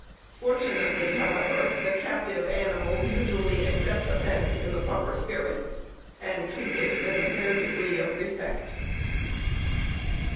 Fortunately, however, the captive animals usually accept a fence in the proper spirit, and treat it with a fair degree of respect.